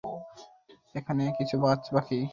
এখনো কিছু কাজ বাকি।